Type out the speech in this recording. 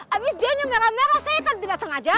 abis dia ini merah merah saya kan tidak sengaja